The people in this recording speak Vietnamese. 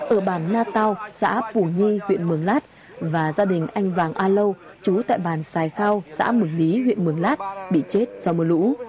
ở bàn na tao xã pù nhi huyện mường lát và gia đình anh vàng a lâu trú tại bàn xài khao xã mường lý huyện mường lát bị chết do mưa lũ